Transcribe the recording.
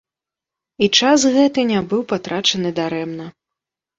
І час гэты не быў патрачаны дарэмна.